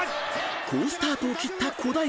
［好スタートを切った小平］